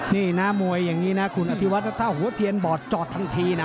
นี่นะมวยอย่างนี้นะคุณอภิวัตถ้าหัวเทียนบอดจอดทันทีนะ